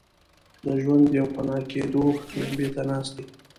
د ژوند پوپناه کېدو لمبې ته ناست دي.